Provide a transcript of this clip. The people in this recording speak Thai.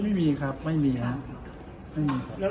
ไม่มีครับไม่มีครับ